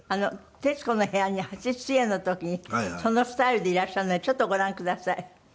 『徹子の部屋』に初出演の時にそのスタイルでいらっしゃるのでちょっとご覧ください。